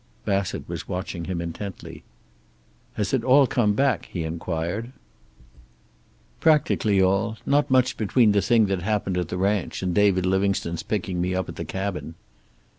Bassett was watching him intently. "Has it all come back?" he inquired. "Practically all. Not much between the thing that happened at the ranch and David Livingstone's picking me up at the cabin."